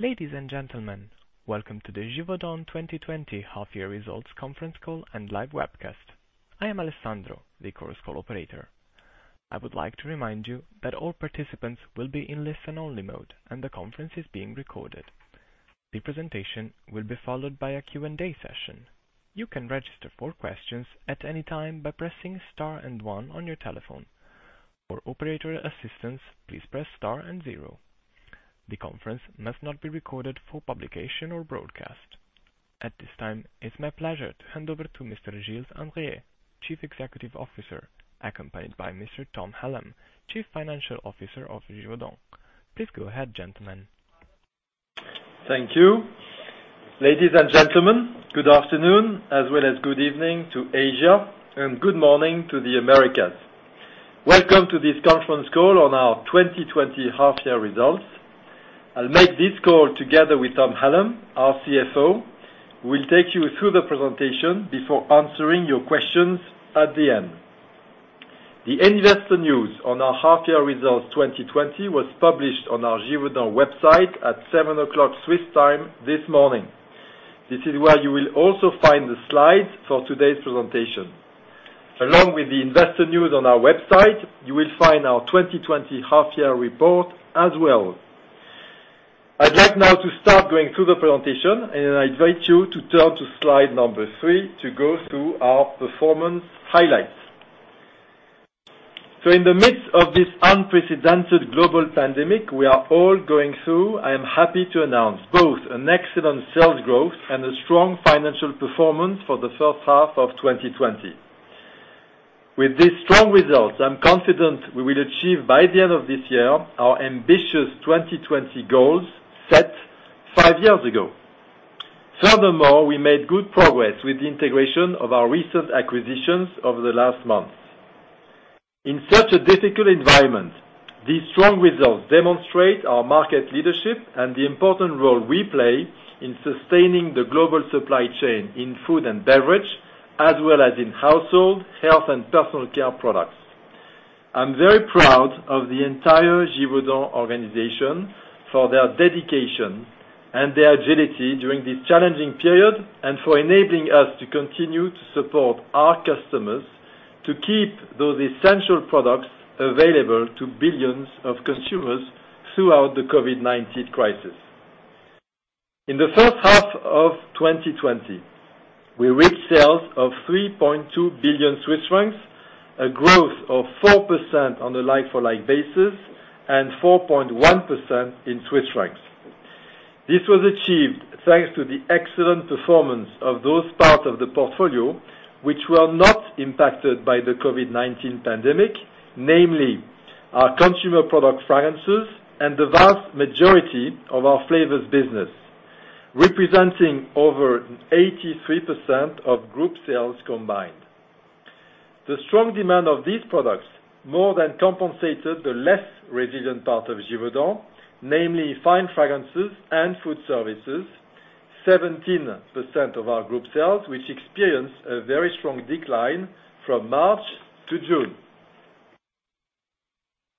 Ladies and gentlemen, welcome to the Givaudan 2020 half-year results conference call and live webcast. I am Alessandro, the Chorus Call operator. I would like to remind you that all participants will be in listen-only mode, and the conference is being recorded. The presentation will be followed by a Q&A session. You can register for questions at any time by pressing star and one on your telephone. For operator assistance, please press star and zero. The conference must not be recorded for publication or broadcast. At this time, it's my pleasure to hand over to Mr. Gilles Andrier, Chief Executive Officer, accompanied by Mr. Tom Hallam, Chief Financial Officer of Givaudan. Please go ahead, gentlemen. Thank you. Ladies and gentlemen, good afternoon, as well as good evening to Asia, and good morning to the Americas. Welcome to this conference call on our 2020 half-year results. I'll make this call together with Tom Hallam, our CFO. We'll take you through the presentation before answering your questions at the end. The investor news on our half-year results 2020 was published on our Givaudan website at 7:00 Swiss time this morning. This is where you will also find the slides for today's presentation. Along with the investor news on our website, you will find our 2020 half-year report as well. I'd like now to start going through the presentation. I invite you to turn to slide number three to go through our performance highlights. In the midst of this unprecedented global pandemic we are all going through, I am happy to announce both an excellent sales growth and a strong financial performance for the first half of 2020. With these strong results, I'm confident we will achieve, by the end of this year, our ambitious 2020 goals set five years ago. Furthermore, we made good progress with the integration of our recent acquisitions over the last months. In such a difficult environment, these strong results demonstrate our market leadership and the important role we play in sustaining the global supply chain in food and beverage, as well as in household, health, and personal care products. I'm very proud of the entire Givaudan organization for their dedication and their agility during this challenging period, and for enabling us to continue to support our customers to keep those essential products available to billions of consumers throughout the COVID-19 crisis. In the first half of 2020, we reached sales of 3.2 billion Swiss francs, a growth of 4% on a like-for-like basis and 4.1% in CHF. This was achieved thanks to the excellent performance of those parts of the portfolio which were not impacted by the COVID-19 pandemic, namely our Consumer Products fragrances and the vast majority of our flavors business, representing over 83% of group sales combined. The strong demand of these products more than compensated the less resilient part of Givaudan, namely Fine Fragrances and food services, 17% of our group sales, which experienced a very strong decline from March to June.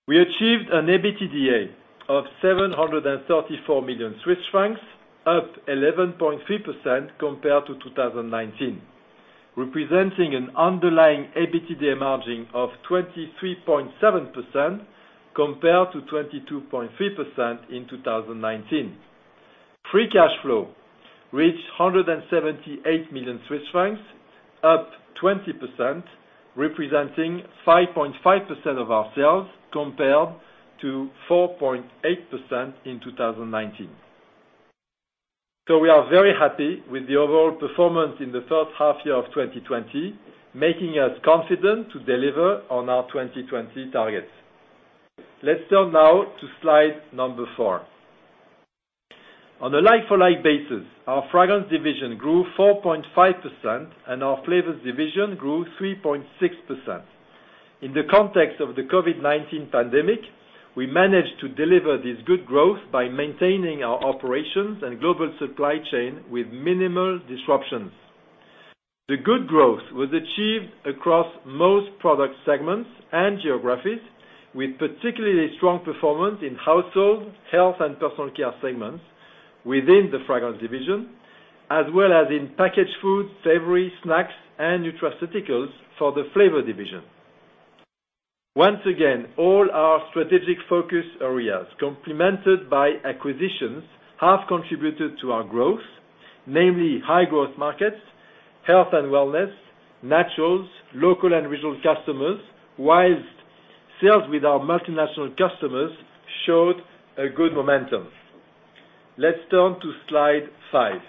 We achieved an EBITDA of 734 million Swiss francs, up 11.3% compared to 2019, representing an underlying EBITDA margin of 23.7% compared to 22.3% in 2019. Free cash flow reached 178 million Swiss francs, up 20%, representing 5.5% of our sales, compared to 4.8% in 2019. We are very happy with the overall performance in the first half year of 2020, making us confident to deliver on our 2020 targets. Let's turn now to slide number 4. On a like-for-like basis, our Fragrance Division grew 4.5%, and our Flavour Division grew 3.6%. In the context of the COVID-19 pandemic, we managed to deliver this good growth by maintaining our operations and global supply chain with minimal disruptions. The good growth was achieved across most product segments and geographies, with particularly strong performance in household, health, and personal care segments within the Fragrance Division, as well as in packaged food, savory, snacks, and nutraceuticals for the Flavour Division. Once again, all our strategic focus areas, complemented by acquisitions, have contributed to our growth, namely high-growth markets, health and wellness, naturals, local and regional customers. Whilst sales with our multinational customers showed a good momentum. Let's turn to slide five.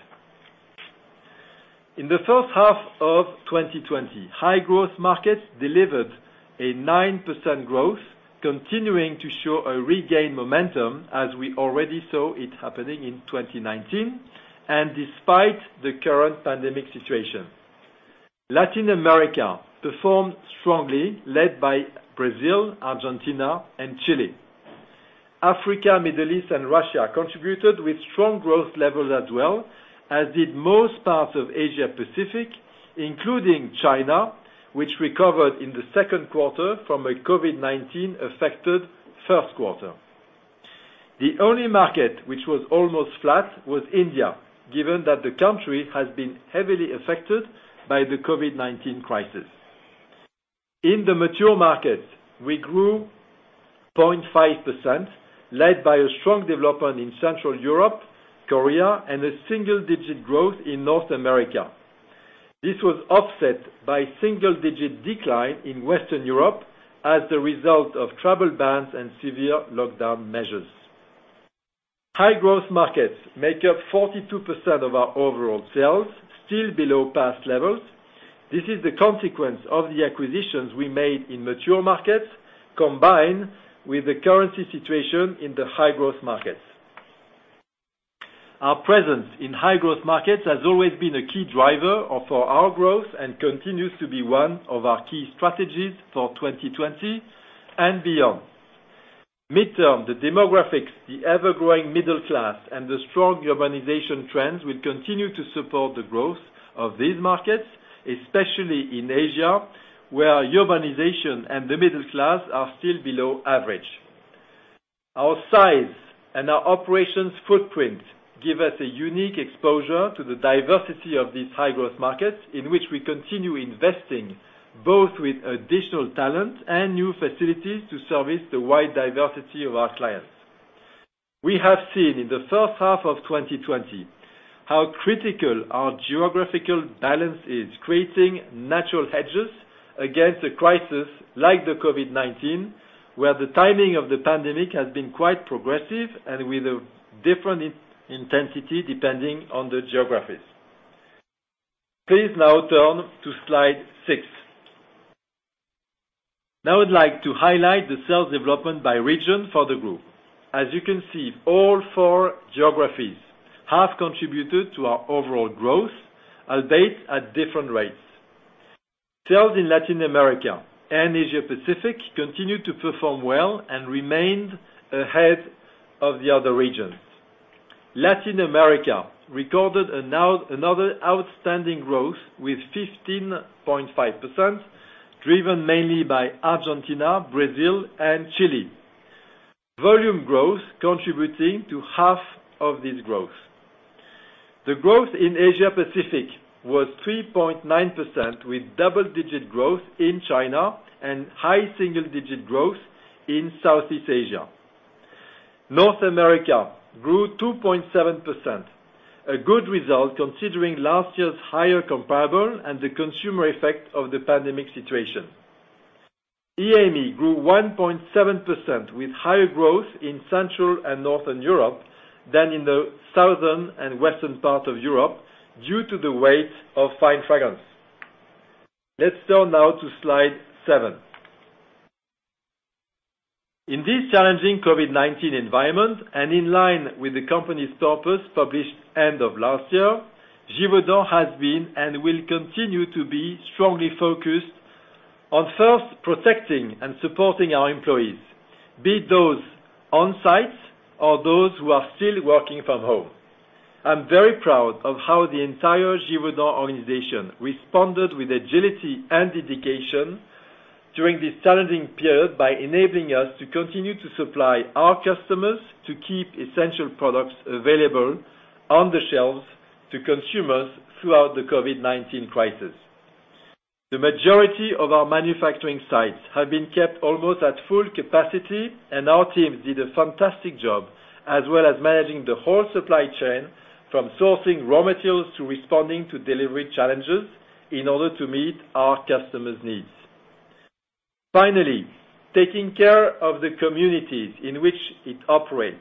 In the first half of 2020, high-growth markets delivered a 9% growth, continuing to show a regained momentum as we already saw it happening in 2019 and despite the current pandemic situation. Latin America performed strongly, led by Brazil, Argentina, and Chile. Africa, Middle East, and Russia contributed with strong growth levels as well, as did most parts of Asia Pacific, including China, which recovered in the second quarter from a COVID-19 affected first quarter. The only market which was almost flat was India, given that the country has been heavily affected by the COVID-19 crisis. In the mature markets, we grew 0.5%, led by a strong development in Central Europe, Korea, and a single-digit growth in North America. This was offset by single-digit decline in Western Europe as a result of travel bans and severe lockdown measures. High-growth markets make up 42% of our overall sales, still below past levels. This is the consequence of the acquisitions we made in mature markets, combined with the currency situation in the high-growth markets. Our presence in high-growth markets has always been a key driver for our growth and continues to be one of our key strategies for 2020 and beyond. Midterm, the demographics, the ever-growing middle class, and the strong urbanization trends will continue to support the growth of these markets, especially in Asia, where urbanization and the middle class are still below average. Our size and our operations footprint give us a unique exposure to the diversity of these high-growth markets, in which we continue investing, both with additional talent and new facilities to service the wide diversity of our clients. We have seen in the first half of 2020 how critical our geographical balance is, creating natural hedges against a crisis like the COVID-19, where the timing of the pandemic has been quite progressive and with a different intensity depending on the geographies. Please now turn to Slide 6. Now I'd like to highlight the sales development by region for the group. As you can see, all four geographies have contributed to our overall growth, albeit at different rates. Sales in Latin America and Asia Pacific continued to perform well and remained ahead of the other regions. Latin America recorded another outstanding growth with 15.5%, driven mainly by Argentina, Brazil, and Chile. Volume growth contributing to half of this growth. The growth in Asia Pacific was 3.9% with double-digit growth in China and high single-digit growth in Southeast Asia. North America grew 2.7%, a good result considering last year's higher comparable and the consumer effect of the pandemic situation. EAME grew 1.7% with higher growth in Central and Northern Europe than in the Southern and Western part of Europe due to the weight of Fine Fragrances. Let's turn now to Slide 7. In this challenging COVID-19 environment, and in line with the company's purpose published end of last year, Givaudan has been and will continue to be strongly focused on first protecting and supporting our employees, be it those on-site or those who are still working from home. I'm very proud of how the entire Givaudan organization responded with agility and dedication during this challenging period by enabling us to continue to supply our customers to keep essential products available on the shelves to consumers throughout the COVID-19 crisis. The majority of our manufacturing sites have been kept almost at full capacity, and our teams did a fantastic job, as well as managing the whole supply chain from sourcing raw materials to responding to delivery challenges in order to meet our customers' needs. Finally, taking care of the communities in which it operates.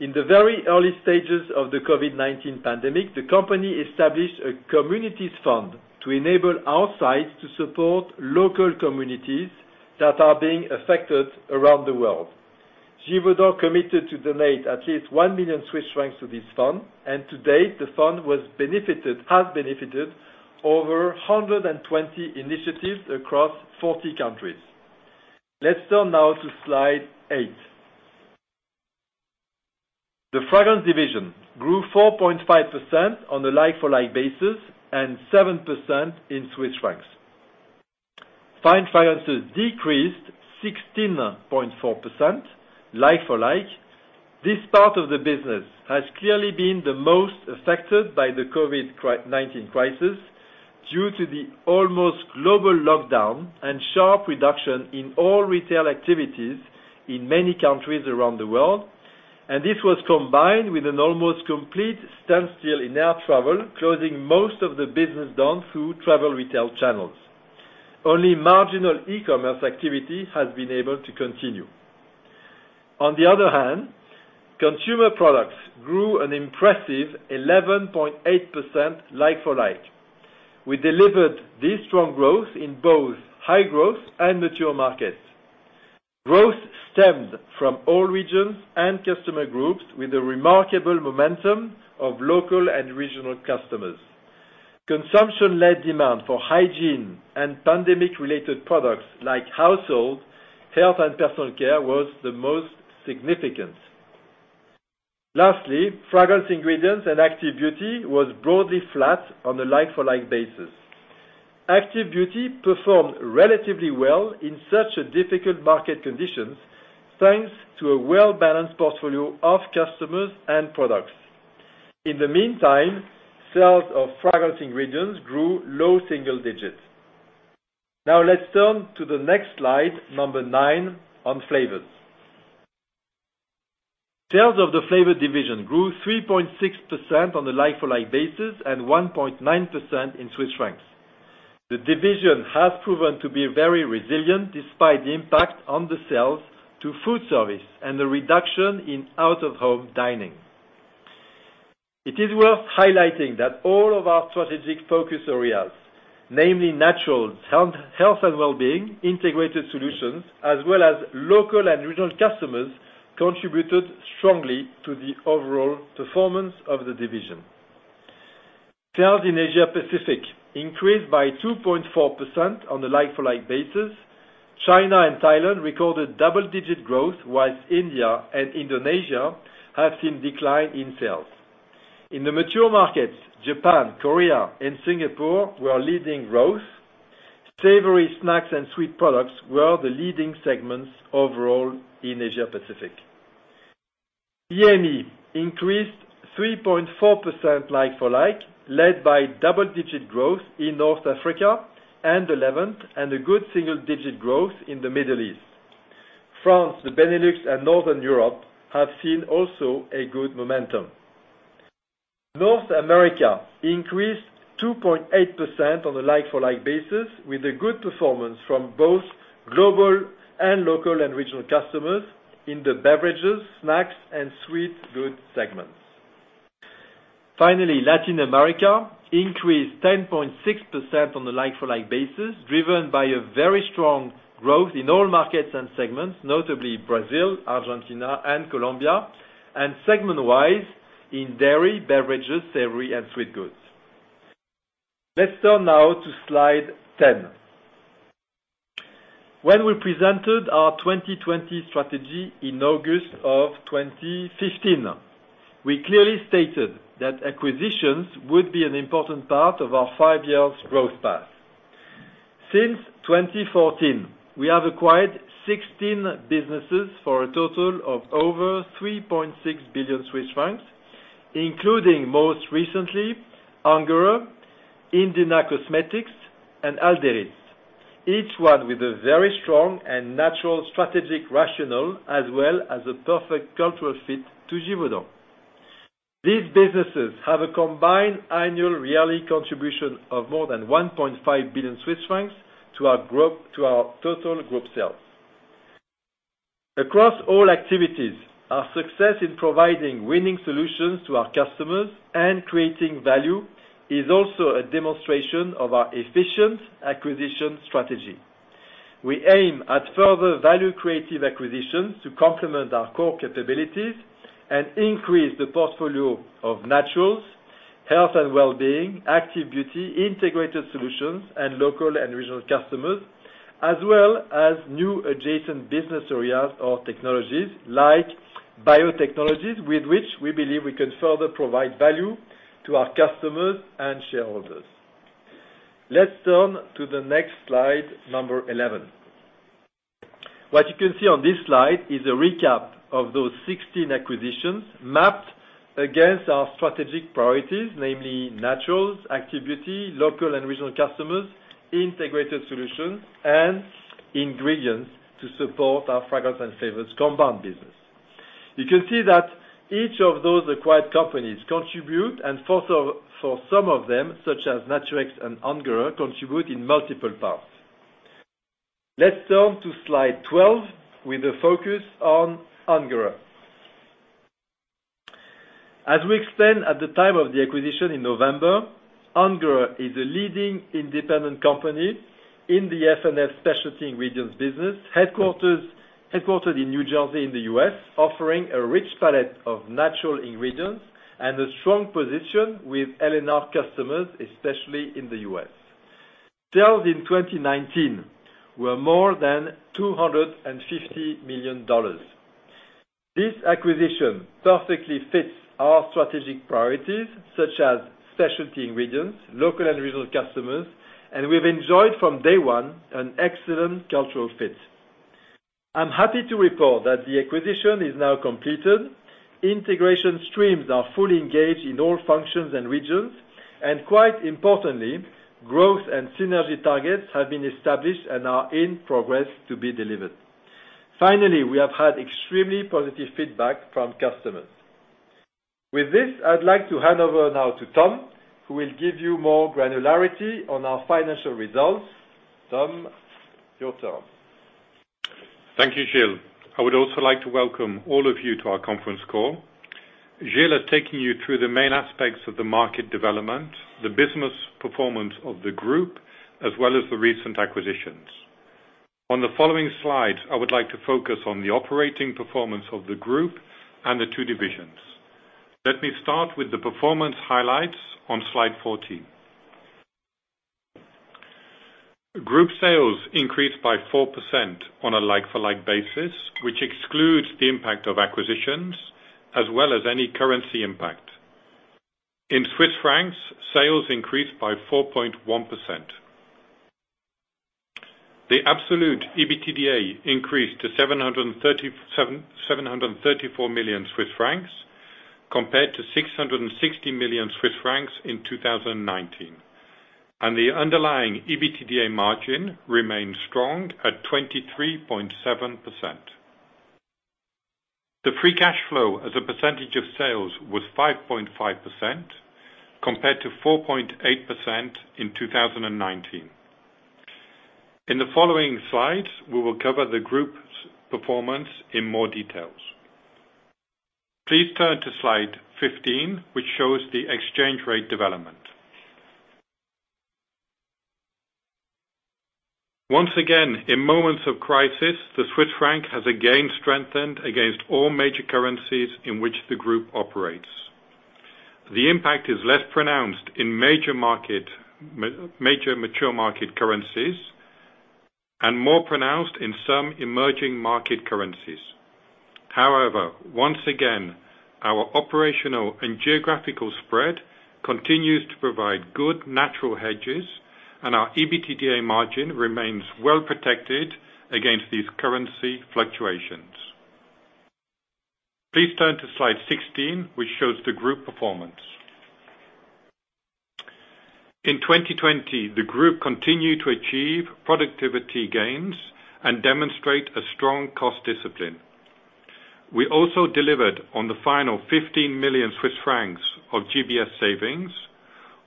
In the very early stages of the COVID-19 pandemic, the company established a communities fund to enable our sites to support local communities that are being affected around the world. Givaudan committed to donate at least 1 million Swiss francs to this fund, and to date, the fund has benefited over 120 initiatives across 40 countries. Let's turn now to Slide 8. The Fragrance Division grew 4.5% on a like-for-like basis, and 7% in Swiss francs. Fine Fragrances decreased 16.4% like-for-like. This part of the business has clearly been the most affected by the COVID-19 crisis due to the almost global lockdown and sharp reduction in all retail activities in many countries around the world. This was combined with an almost complete standstill in air travel, closing most of the business done through travel retail channels. Only marginal e-commerce activity has been able to continue. On the other hand, Consumer Products grew an impressive 11.8% like-for-like. We delivered this strong growth in both high-growth and mature markets. Growth stemmed from all regions and customer groups with a remarkable momentum of local and regional customers. Consumption-led demand for hygiene and pandemic-related products like household, health, and personal care was the most significant. Fragrance ingredients and Active Beauty was broadly flat on a like-for-like basis. Active Beauty performed relatively well in such difficult market conditions, thanks to a well-balanced portfolio of customers and products. In the meantime, sales of fragrance ingredients grew low single digits. Let's turn to the next slide, number nine, on flavors. Sales of the Flavour Division grew 3.6% on a like-for-like basis and 1.9% in CHF. The division has proven to be very resilient despite the impact on the sales to food service and the reduction in out-of-home dining. It is worth highlighting that all of our strategic focus areas, namely Natural, Health and Wellbeing, Integrated Solutions, as well as local and regional customers, contributed strongly to the overall performance of the division. Sales in Asia Pacific increased by 2.4% on a like-for-like basis. China and Thailand recorded double-digit growth, while India and Indonesia have seen decline in sales. In the mature markets, Japan, Korea, and Singapore were leading growth. Savory snacks and sweet products were the leading segments overall in Asia Pacific. EMEA increased 3.4% like-for-like, led by double-digit growth in North Africa and the Levant, and a good single-digit growth in the Middle East. France, the Benelux, and Northern Europe have seen also a good momentum. North America increased 2.8% on a like-for-like basis with a good performance from both global and local and regional customers in the Beverages, snacks, and Sweet Goods segments. Latin America increased 10.6% on a like-for-like basis, driven by a very strong growth in all markets and segments, notably Brazil, Argentina, and Colombia, and segment-wise in dairy, beverages, savory, and sweet goods. Let's turn now to slide 10. When we presented our 2020 strategy in August of 2015, we clearly stated that acquisitions would be an important part of our five-year growth path. Since 2014, we have acquired 16 businesses for a total of over 3.6 billion Swiss francs, including most recently, Ungerer, Indena Cosmetics, and Alderys, each one with a very strong and natural strategic rationale as well as a perfect cultural fit to Givaudan. These businesses have a combined annual yearly contribution of more than 1.5 billion Swiss francs to our total group sales. Across all activities, our success in providing winning solutions to our customers and creating value is also a demonstration of our efficient acquisition strategy. We aim at further value-creative acquisitions to complement our core capabilities and increase the portfolio of Naturals, Health and Wellbeing, Active Beauty, Integrated Solutions, and Local and Regional Customers, as well as new adjacent business areas or technologies like biotechnologies, with which we believe we can further provide value to our customers and shareholders. Let's turn to the next slide, number 11. What you can see on this slide is a recap of those 16 acquisitions mapped against our strategic priorities, namely Naturals, Active Beauty, Local and Regional Customers, Integrated Solutions, and ingredients to support our Fragrance and Flavors compound business. You can see that each of those acquired companies contribute, and for some of them, such as Naturex and Ungerer, contribute in multiple parts. Let's turn to slide 12 with a focus on Ungerer. As we explained at the time of the acquisition in November, Ungerer is a leading independent company in the F&F specialty ingredients business, headquartered in New Jersey in the U.S., offering a rich palette of natural ingredients and a strong position with L&R customers, especially in the U.S. Sales in 2019 were more than $250 million. This acquisition perfectly fits our strategic priorities such as specialty ingredients, local, and regional customers, and we've enjoyed from day one an excellent cultural fit. I'm happy to report that the acquisition is now completed. Integration streams are fully engaged in all functions and regions, and quite importantly, growth and synergy targets have been established and are in progress to be delivered. Finally, we have had extremely positive feedback from customers. With this, I'd like to hand over now to Tom, who will give you more granularity on our financial results. Tom, your turn. Thank you, Gilles. I would also like to welcome all of you to our conference call. Gilles has taken you through the main aspects of the market development, the business performance of the group, as well as the recent acquisitions. On the following slides, I would like to focus on the operating performance of the group and the two divisions. Let me start with the performance highlights on slide 14. Group sales increased by 4% on a like-for-like basis, which excludes the impact of acquisitions as well as any currency impact. In Swiss francs, sales increased by 4.1%. The absolute EBITDA increased to 734 million Swiss francs compared to 660 million Swiss francs in 2019, and the underlying EBITDA margin remains strong at 23.7%. The free cash flow as a percentage of sales was 5.5%, compared to 4.8% in 2019. In the following slides, we will cover the group's performance in more details. Please turn to Slide 15, which shows the exchange rate development. Once again, in moments of crisis, the CHF has again strengthened against all major currencies in which the group operates. The impact is less pronounced in major mature market currencies and more pronounced in some emerging market currencies. Once again, our operational and geographical spread continues to provide good natural hedges, and our EBITDA margin remains well protected against these currency fluctuations. Please turn to Slide 16, which shows the group performance. In 2020, the group continued to achieve productivity gains and demonstrate a strong cost discipline. We also delivered on the final 15 million Swiss francs of GBS savings,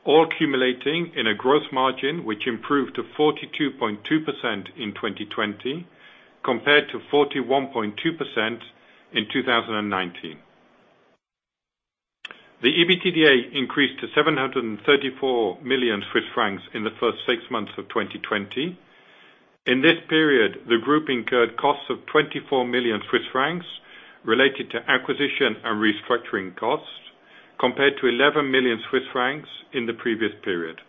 all accumulating in a gross margin, which improved to 42.2% in 2020 compared to 41.2% in 2019. The EBITDA increased to 734 million Swiss francs in the first six months of 2020. In this period, the group incurred costs of 24 million Swiss francs related to acquisition and restructuring costs, compared to 11 million Swiss francs in the previous period.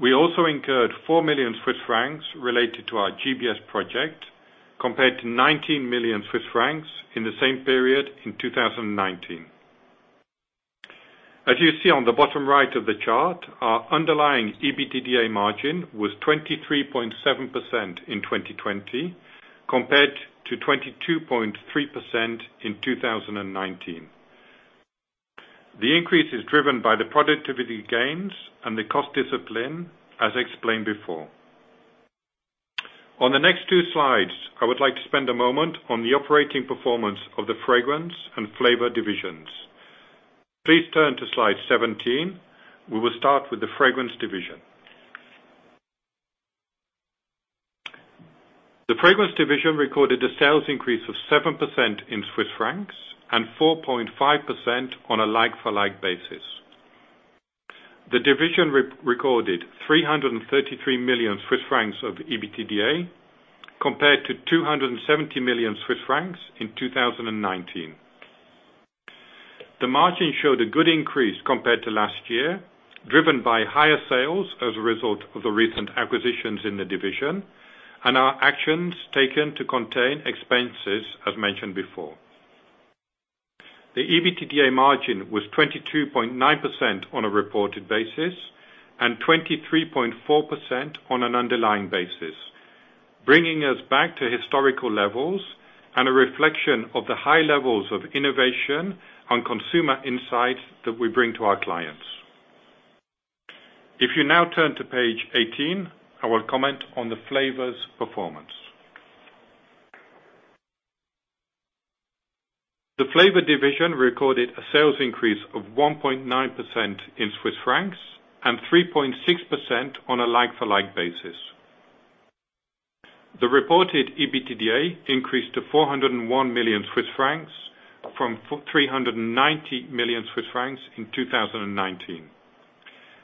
We also incurred 4 million Swiss francs related to our GBS project, compared to 19 million Swiss francs in the same period in 2019. As you see on the bottom right of the chart, our underlying EBITDA margin was 23.7% in 2020 compared to 22.3% in 2019. The increase is driven by the productivity gains and the cost discipline, as explained before. On the next two slides, I would like to spend a moment on the operating performance of the Fragrance and Flavor divisions. Please turn to Slide 17. We will start with the Fragrance division. The Fragrance Division recorded a sales increase of 7% in CHF and 4.5% on a like-for-like basis. The division recorded 333 million Swiss francs of EBITDA compared to 270 million Swiss francs in 2019. The margin showed a good increase compared to last year, driven by higher sales as a result of the recent acquisitions in the division and our actions taken to contain expenses, as mentioned before. The EBITDA margin was 22.9% on a reported basis and 23.4% on an underlying basis, bringing us back to historical levels and a reflection of the high levels of innovation and consumer insight that we bring to our clients. If you now turn to Page 18, I will comment on the Flavor performance. The Flavor Division recorded a sales increase of 1.9% in CHF and 3.6% on a like-for-like basis. The reported EBITDA increased to 401 million Swiss francs from 390 million Swiss francs in 2019,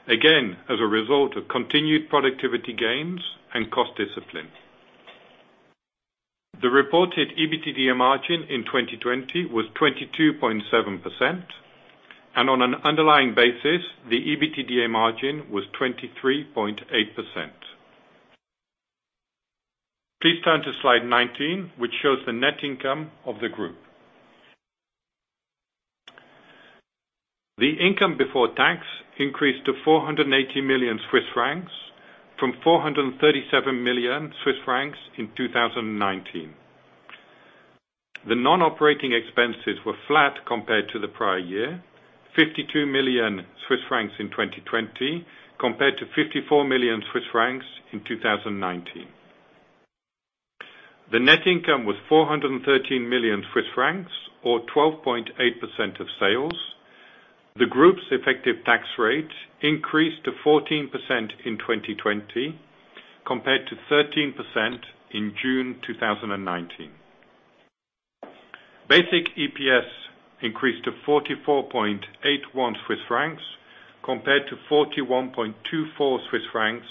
again, as a result of continued productivity gains and cost discipline. The reported EBITDA margin in 2020 was 22.7%, and on an underlying basis, the EBITDA margin was 23.8%. Please turn to Slide 19, which shows the net income of the group. The income before tax increased to 480 million Swiss francs from 437 million Swiss francs in 2019. The non-operating expenses were flat compared to the prior year, 52 million Swiss francs in 2020 compared to 54 million Swiss francs in 2019. The net income was 413 million Swiss francs or 12.8% of sales. The group's effective tax rate increased to 14% in 2020 compared to 13% in June 2019. Basic EPS increased to 44.81 Swiss francs compared to 41.24 Swiss francs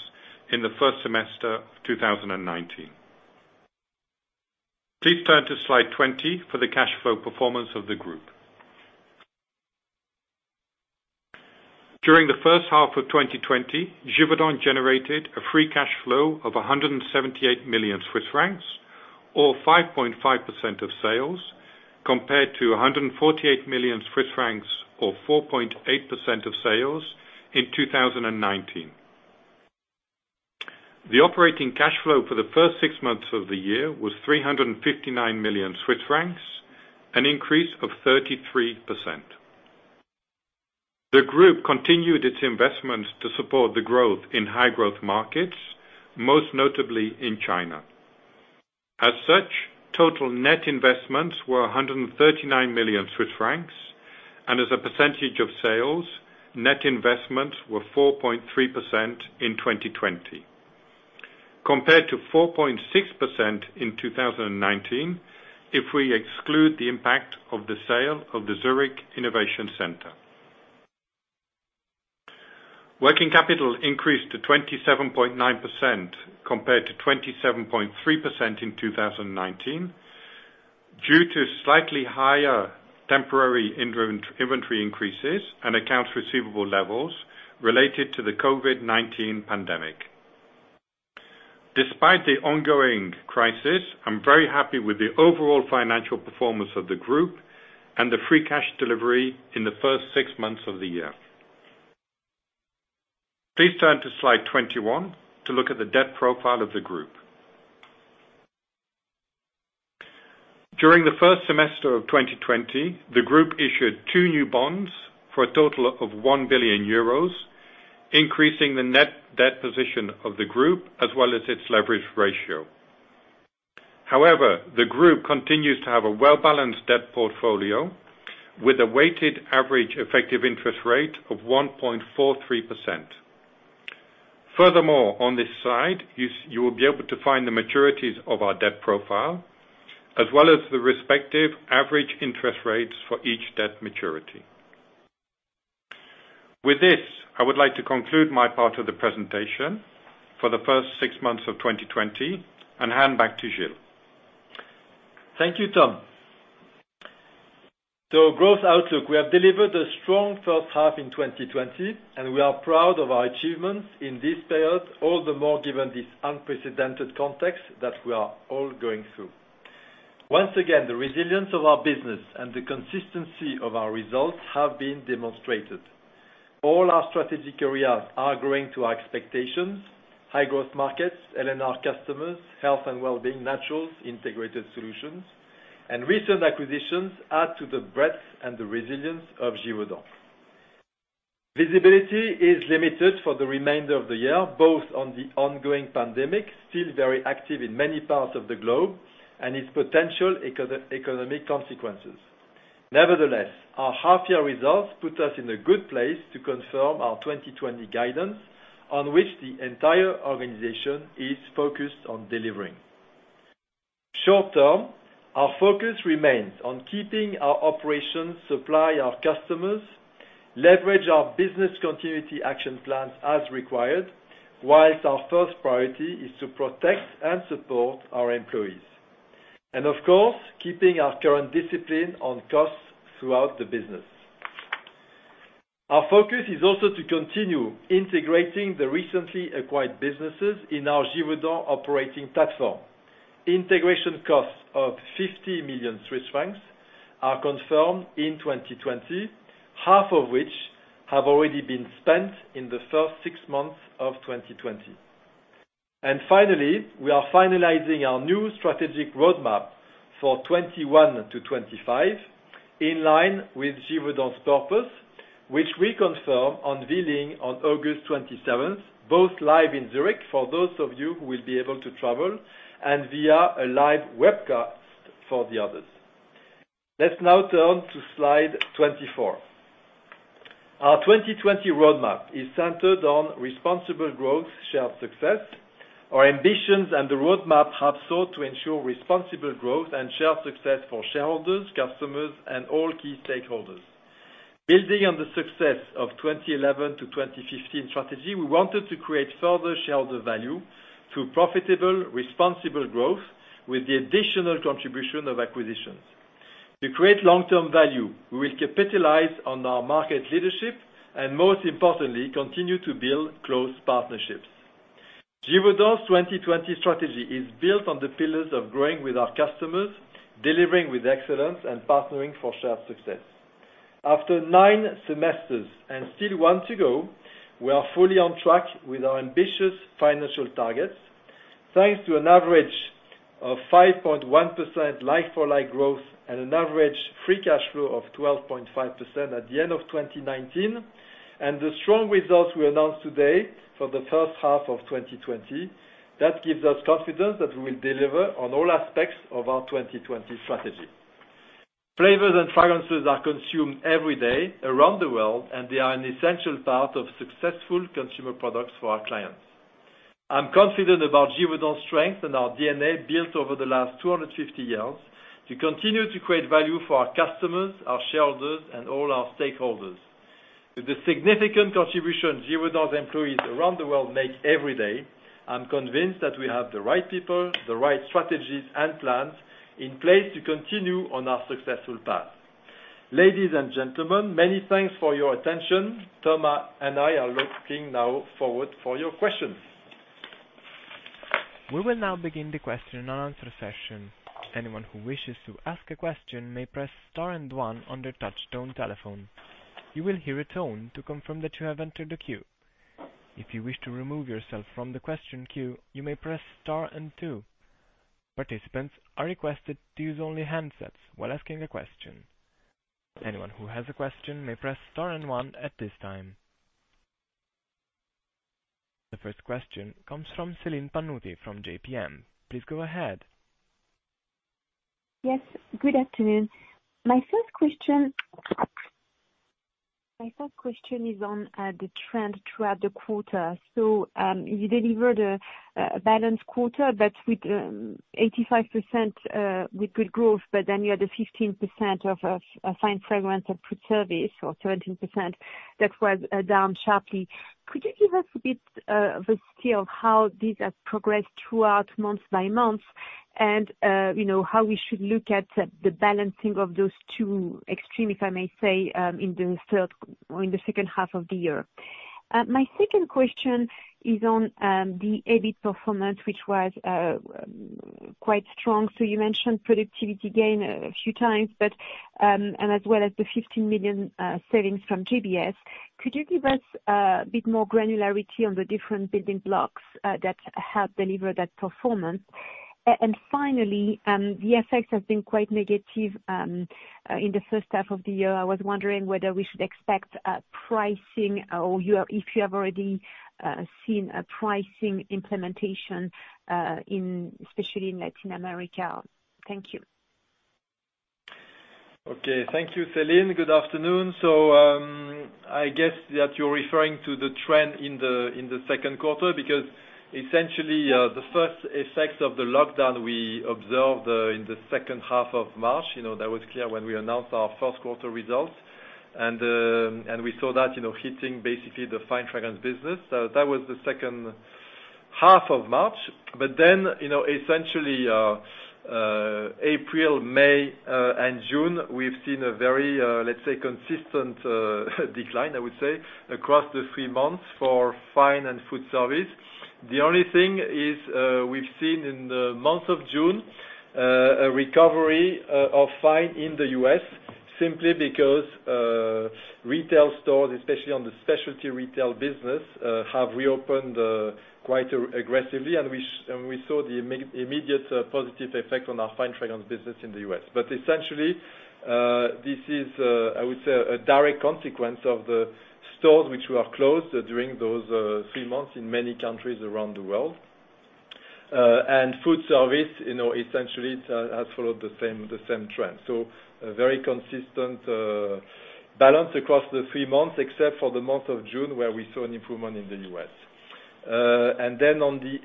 in the first semester of 2019. Please turn to Slide 20 for the cash flow performance of the group. During the first half of 2020, Givaudan generated a free cash flow of 178 million Swiss francs or 5.5% of sales, compared to 148 million Swiss francs or 4.8% of sales in 2019. The operating cash flow for the first six months of the year was 359 million Swiss francs, an increase of 33%. The group continued its investments to support the growth in high growth markets, most notably in China. As such, total net investments were 139 million Swiss francs, and as a percentage of sales, net investments were 4.3% in 2020. Compared to 4.6% in 2019, if we exclude the impact of the sale of the Zurich Innovation Center. Working capital increased to 27.9% compared to 27.3% in 2019 due to slightly higher temporary inventory increases and accounts receivable levels related to the COVID-19 pandemic. Despite the ongoing crisis, I'm very happy with the overall financial performance of the group and the free cash delivery in the first six months of the year. Please turn to slide 21 to look at the debt profile of the group. During the first semester of 2020, the group issued two new bonds for a total of 1 billion euros, increasing the net debt position of the group as well as its leverage ratio. However, the group continues to have a well-balanced debt portfolio with a weighted average effective interest rate of 1.43%. Furthermore, on this slide, you will be able to find the maturities of our debt profile, as well as the respective average interest rates for each debt maturity. With this, I would like to conclude my part of the presentation for the first six months of 2020 and hand back to Gilles. Thank you, Tom. Growth outlook. We have delivered a strong first half in 2020, and we are proud of our achievements in this period, all the more given this unprecedented context that we are all going through. Once again, the resilience of our business and the consistency of our results have been demonstrated. All our strategic areas are growing to our expectations. High growth markets, L&R customers, health and well-being, naturals, Integrated Solutions, and recent acquisitions add to the breadth and the resilience of Givaudan. Visibility is limited for the remainder of the year, both on the ongoing pandemic, still very active in many parts of the globe, and its potential economic consequences. Nevertheless, our half year results put us in a good place to confirm our 2020 guidance on which the entire organization is focused on delivering. Short term, our focus remains on keeping our operations supply our customers, leverage our business continuity action plans as required, whilst our first priority is to protect and support our employees, of course, keeping our current discipline on costs throughout the business. Our focus is also to continue integrating the recently acquired businesses in our Givaudan operating platform. Integration costs of 50 million Swiss francs are confirmed in 2020, half of which have already been spent in the first six months of 2020. Finally, we are finalizing our new strategic roadmap for 2021 to 2025 in line with Givaudan's purpose, which we confirm unveiling on August 27th, both live in Zurich for those of you who will be able to travel, and via a live webcast for the others. Let's now turn to slide 24. Our 2020 roadmap is centered on responsible growth, shared success. Our ambitions and the roadmap have sought to ensure responsible growth and shared success for shareholders, customers, and all key stakeholders. Building on the success of 2011 to 2015 Strategy, we wanted to create further shareholder value through profitable, responsible growth with the additional contribution of acquisitions. To create long-term value, we will capitalize on our market leadership and most importantly, continue to build close partnerships. Givaudan's 2020 Strategy is built on the pillars of growing with our customers, delivering with excellence, and partnering for shared success. After nine semesters, and still one to go, we are fully on track with our ambitious financial targets. Thanks to an average of 5.1% like-for-like growth and an average free cash flow of 12.5% at the end of 2019, and the strong results we announced today for the first half of 2020, that gives us confidence that we will deliver on all aspects of our 2020 strategy. Flavors and fragrances are consumed every day around the world, and they are an essential part of successful Consumer Products for our clients. I'm confident about Givaudan's strength and our DNA built over the last 250 years to continue to create value for our customers, our shareholders, and all our stakeholders. With the significant contribution Givaudan's employees around the world make every day, I'm convinced that we have the right people, the right strategies and plans in place to continue on our successful path. Ladies and gentlemen, many thanks for your attention. Tom and I are looking now forward for your questions. We will now begin the question and answer session. Anyone who wishes to ask a question may press star and one on their touch-tone telephone. You will hear a tone to confirm that you have entered the queue. If you wish to remove yourself from the question queue, you may press star and two. Participants are requested to use only handsets while asking a question. Anyone who has a question may press star and one at this time. The first question comes from Celine Pannuti from JPMorgan. Please go ahead. Yes, good afternoon. My first question is on the trend throughout the quarter. You delivered a balanced quarter with good growth, but then you had a 15% of Fine Fragrances and food service, or 13%, that was down sharply. Could you give us a bit of a scale how these have progressed throughout month by month and how we should look at the balancing of those two extremes, if I may say, in the second half of the year? My second question is on the EBIT performance, which was quite strong. You mentioned productivity gain a few times, and as well as the 15 million savings from GBS. Could you give us a bit more granularity on the different building blocks that have delivered that performance? Finally, the effects have been quite negative in the first half of the year. I was wondering whether we should expect pricing, or if you have already seen a pricing implementation, especially in Latin America. Thank you. Thank you, Celine. Good afternoon. I guess that you're referring to the trend in the second quarter, because essentially, the first effects of the lockdown we observed in the second half of March. That was clear when we announced our first quarter results. We saw that hitting basically the Fine Fragrances business. That was the second half of March. Essentially, April, May, and June, we've seen a very, let's say, consistent decline, I would say, across the three months for Fine Fragrances and food service. The only thing is, we've seen in the month of June, a recovery of Fine Fragrances in the U.S. simply because retail stores, especially on the specialty retail business, have reopened quite aggressively, and we saw the immediate positive effect on our Fine Fragrances business in the U.S. Essentially, this is, I would say, a direct consequence of the stores which were closed during those three months in many countries around the world. Food service, essentially, it has followed the same trend. A very consistent balance across the three months, except for the month of June, where we saw an improvement in the U.S. On the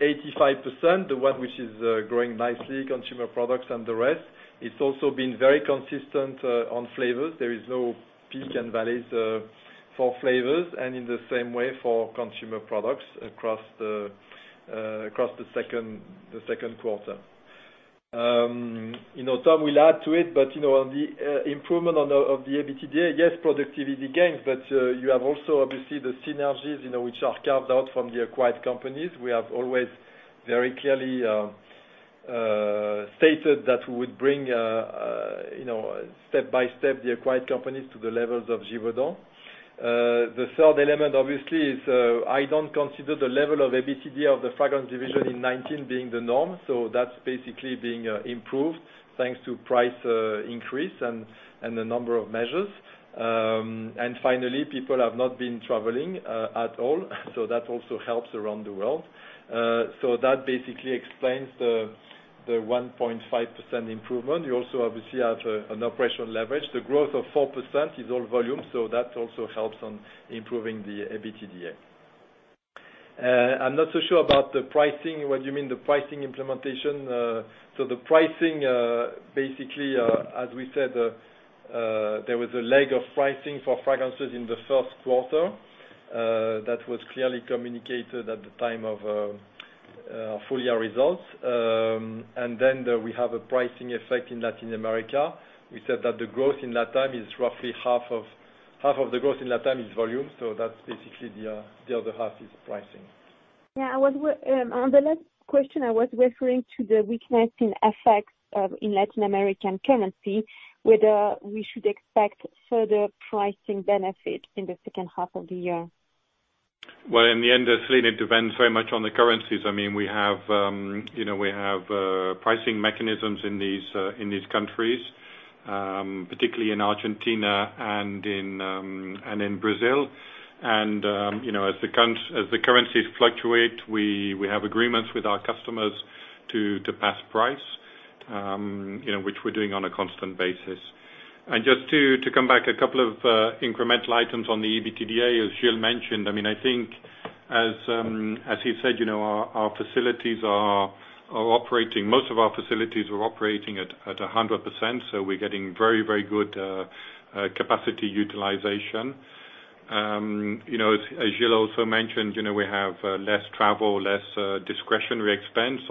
85%, the one which is growing nicely, Consumer Products and the rest, it's also been very consistent on flavors. There is no peak and valleys for flavors, and in the same way for Consumer Products across the second quarter. Tom will add to it. On the improvement of the EBITDA, yes, productivity gains, but you have also obviously the synergies, which are carved out from the acquired companies. We have always very clearly stated that we would bring, step by step, the acquired companies to the levels of Givaudan. The third element obviously is, I don't consider the level of EBITDA of the Fragrance Division in 2019 being the norm. That's basically being improved thanks to price increase and the number of measures. Finally, people have not been traveling at all, so that also helps around the world. That basically explains the 1.5% improvement. You also obviously have an operational leverage. The growth of 4% is all volume, so that also helps on improving the EBITDA. I'm not so sure about the pricing, what you mean the pricing implementation. The pricing, basically, as we said, there was a lag of pricing for fragrances in the first quarter. That was clearly communicated at the time of our full year results. We have a pricing effect in Latin America. We said that the growth in LatAm is roughly half of the growth in LatAm is volume, that's basically the other half is pricing. Yeah. On the last question, I was referring to the weakening effects of in Latin American currency, whether we should expect further pricing benefit in the second half of the year. Well, in the end, Celine, it depends very much on the currencies. We have pricing mechanisms in these countries, particularly in Argentina and in Brazil. As the currencies fluctuate, we have agreements with our customers to pass price, which we're doing on a constant basis. Just to come back, a couple of incremental items on the EBITDA, as Gilles mentioned. I think as he said, most of our facilities were operating at 100%, so we're getting very good capacity utilization. As Gilles also mentioned, we have less travel, less discretionary expense.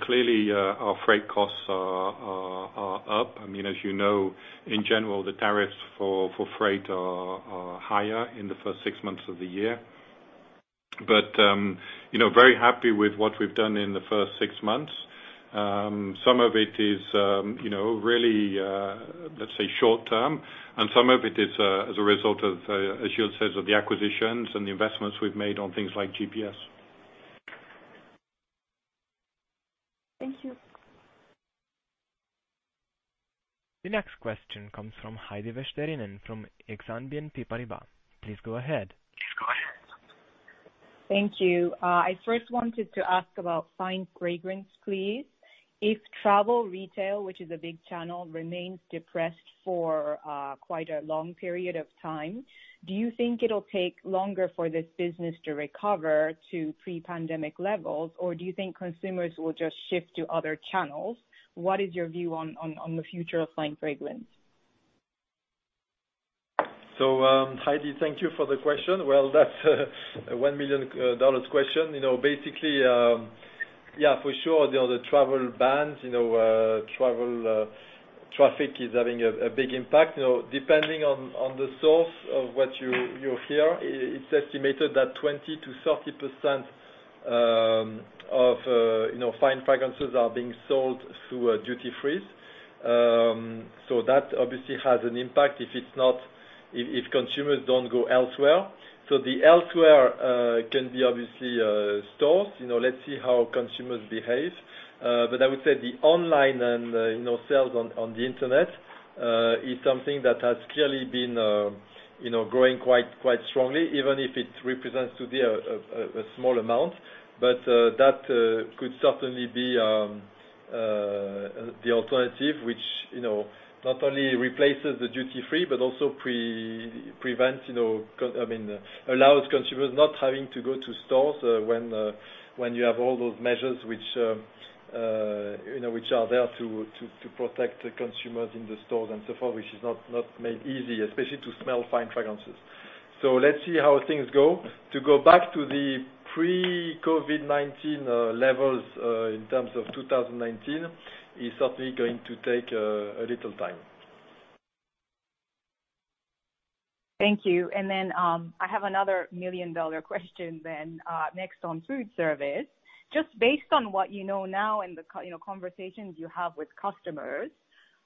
Clearly, our freight costs are up. As you know, in general, the tariffs for freight are higher in the first six months of the year. Very happy with what we've done in the first six months. Some of it is really, let's say, short-term, and some of it is as a result of, as Gilles says, of the acquisitions and the investments we've made on things like GBS. Thank you. The next question comes from Heidi Vesterinen from Exane BNP Paribas. Please go ahead. Thank you. I first wanted to ask about Fine Fragrances, please. If travel retail, which is a big channel, remains depressed for quite a long period of time, do you think it'll take longer for this business to recover to pre-pandemic levels? Or do you think consumers will just shift to other channels? What is your view on the future of Fine Fragrances? Heidi, thank you for the question. That's a CHF 1 million question. For sure, the travel bans, travel traffic is having a big impact. Depending on the source of what you hear, it's estimated that 20%-30% of Fine Fragrances are being sold through duty-frees. That obviously has an impact if consumers don't go elsewhere. The elsewhere can be obviously stores. Let's see how consumers behave. I would say the online and sales on the Internet is something that has clearly been growing quite strongly, even if it represents today a small amount. That could certainly be the alternative, which not only replaces the duty-free but also allows consumers not having to go to stores when you have all those measures which are there to protect the consumers in the stores and so forth, which is not made easy, especially to smell Fine Fragrances. Let's see how things go. To go back to the pre-COVID-19 levels, in terms of 2019, is certainly going to take a little time. Thank you. I have another million-dollar question then next on food service. Just based on what you know now and the conversations you have with customers,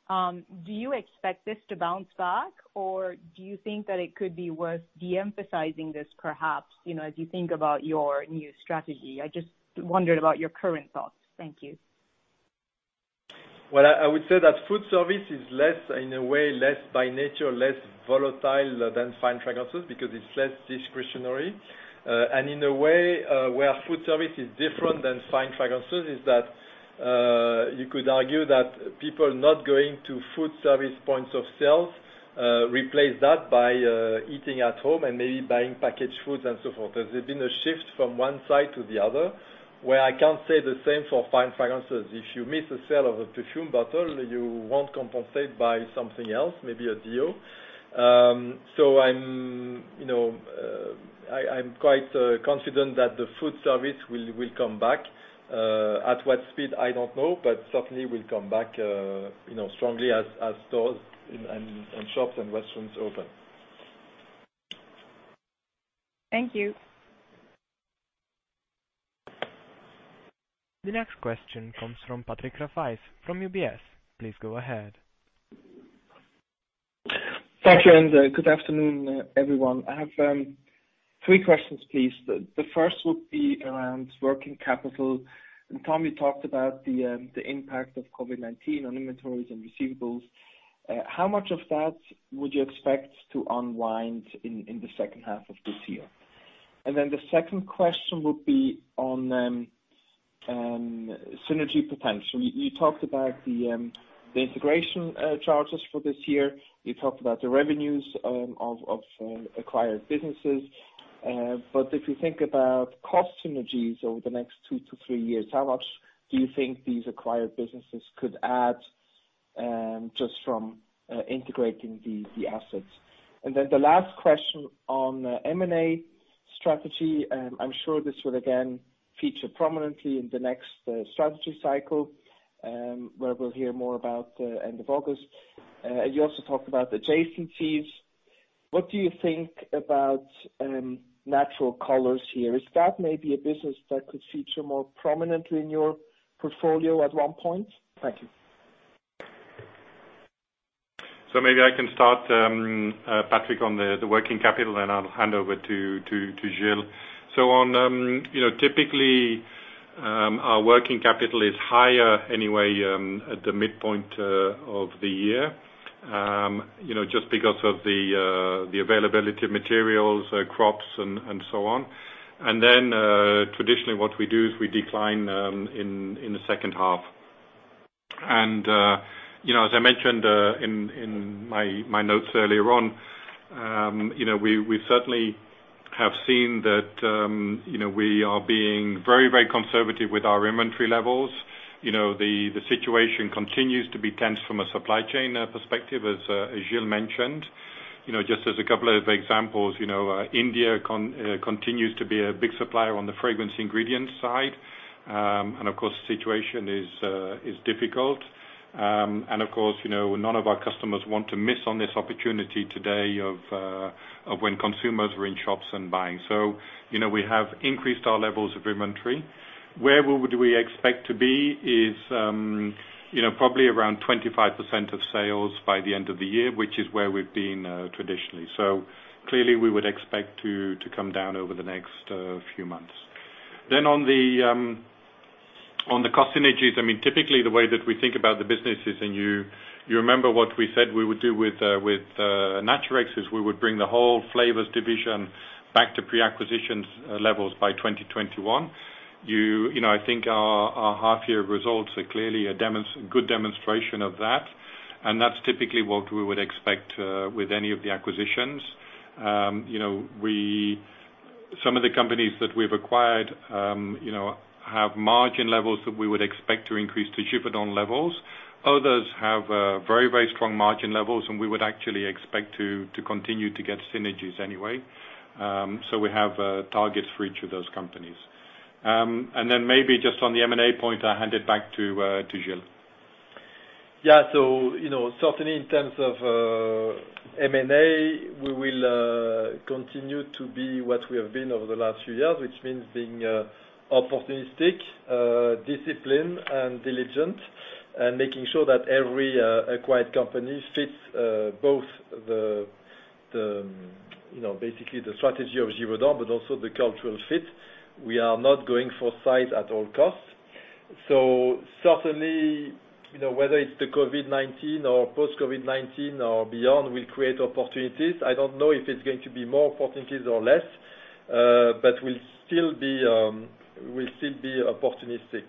do you expect this to bounce back, or do you think that it could be worth de-emphasizing this, perhaps, as you think about your new strategy? I just wondered about your current thoughts. Thank you. Well, I would say that food service is, in a way, by nature, less volatile than Fine Fragrances because it's less discretionary. In a way where food service is different than Fine Fragrances is that you could argue that people not going to food service points of sales replace that by eating at home and maybe buying packaged foods and so forth. There's been a shift from one side to the other, where I can't say the same for Fine Fragrances. If you miss a sale of a perfume bottle, you won't compensate by something else, maybe a deo. I'm quite confident that the food service will come back. At what speed, I don't know, but certainly will come back strongly as stores and shops and restaurants open. Thank you. The next question comes from Patrick Rafaisz from UBS. Please go ahead. Patrick, good afternoon, everyone. I have three questions, please. The first would be around working capital. Tom, you talked about the impact of COVID-19 on inventories and receivables. How much of that would you expect to unwind in the second half of this year? The second question would be on synergy potential. You talked about the integration charges for this year. You talked about the revenues of acquired businesses. If you think about cost synergies over the next two to three years, how much do you think these acquired businesses could add just from integrating the assets? The last question on M&A strategy. I'm sure this will again feature prominently in the next strategy cycle, where we'll hear more about end of August. You also talked about adjacencies. What do you think about natural colors here? Is that maybe a business that could feature more prominently in your portfolio at one point? Thank you. Maybe I can start, Patrick, on the working capital, then I'll hand over to Gilles. Typically, our working capital is higher anyway at the midpoint of the year just because of the availability of materials, crops, and so on. Traditionally what we do is we decline in the second half. As I mentioned in my notes earlier on, we certainly have seen that we are being very conservative with our inventory levels. The situation continues to be tense from a supply chain perspective, as Gilles mentioned. Just as a couple of examples, India continues to be a big supplier on the fragrance ingredient side. Of course, the situation is difficult. Of course, none of our customers want to miss on this opportunity today of when consumers are in shops and buying. We have increased our levels of inventory. Where would we expect to be is probably around 25% of sales by the end of the year, which is where we've been traditionally. Clearly we would expect to come down over the next few months. On the cost synergies, typically the way that we think about the business is, and you remember what we said we would do with Naturex, is we would bring the whole Flavour Division back to pre-acquisition levels by 2021. I think our half-year results are clearly a good demonstration of that, and that's typically what we would expect with any of the acquisitions. Some of the companies that we've acquired have margin levels that we would expect to increase to Givaudan levels. Others have very strong margin levels, and we would actually expect to continue to get synergies anyway. We have targets for each of those companies. Maybe just on the M&A point, I'll hand it back to Gilles. Yeah. Certainly in terms of M&A, we will continue to be what we have been over the last few years, which means being opportunistic, disciplined, and diligent, and making sure that every acquired company fits both basically the strategy of Givaudan, but also the cultural fit. We are not going for size at all costs. Certainly, whether it's the COVID-19 or post-COVID-19 or beyond, will create opportunities. I don't know if it's going to be more opportunities or less, but we'll still be opportunistic.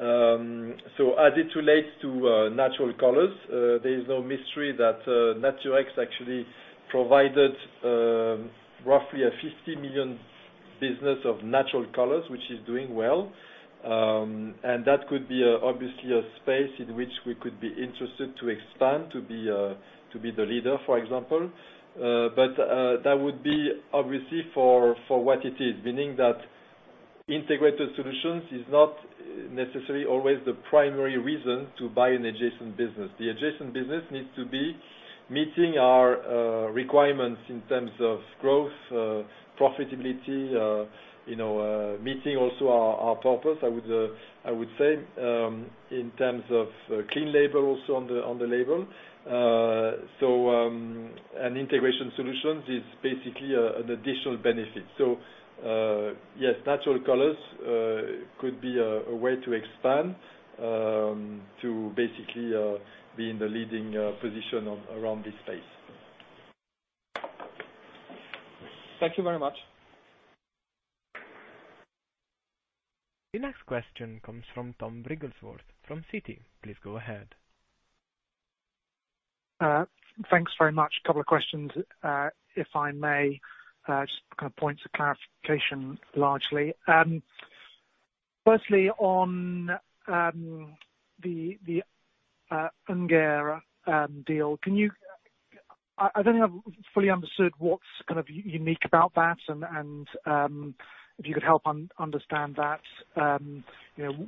As it relates to natural colors, there is no mystery that Naturex actually provided roughly a 50 million business of natural colors, which is doing well. That could be obviously a space in which we could be interested to expand, to be the leader, for example. That would be obviously for what it is, meaning that Integrated Solutions is not necessarily always the primary reason to buy an adjacent business. The adjacent business needs to be meeting our requirements in terms of growth, profitability, meeting also our purpose, I would say, in terms of clean label also on the label. An Integration Solution is basically an additional benefit. Yes, natural colors could be a way to expand, to basically be in the leading position around this space. Thank you very much. The next question comes from Tom Wrigglesworth, from Citi. Please go ahead. Thanks very much. Couple of questions, if I may. Just points of clarification, largely. Firstly, on the Ungerer deal, I don't think I've fully understood what's kind of unique about that and, if you could help understand that,